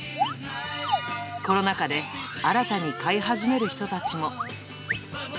コロナ禍で新たに飼い始める人たちも。